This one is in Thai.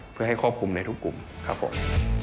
เพื่อให้ควบคุมในทุกกลุ่มข้าพล